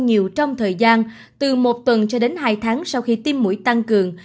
nhiều trong thời gian từ một tuần cho đến hai tháng sau khi tiêm mũi tăng cường